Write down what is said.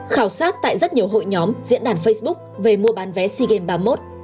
khảo sát tại rất nhiều hội nhóm diễn đàn facebook về mua bán vé sea games ba mươi một